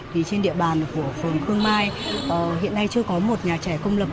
thì trên địa bàn của phường khương mai hiện nay chưa có một nhà trẻ công lập